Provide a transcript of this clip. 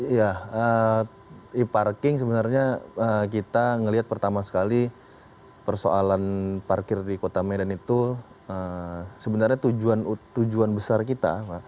ya e parking sebenarnya kita melihat pertama sekali persoalan parkir di kota medan itu sebenarnya tujuan besar kita